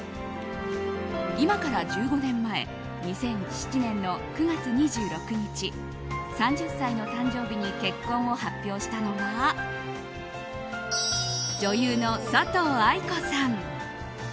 今から１５年前２００７年の９月２６日３０歳の誕生日に結婚を発表したのは女優の佐藤藍子さん。